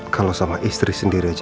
kalau sama istri sendiri aja